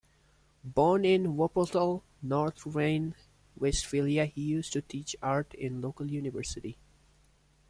Born in Wuppertal, North Rhine-Westphalia, he used to teach art in the local university.